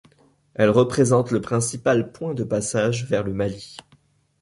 Elle représente le principal point de passage vers le Mali.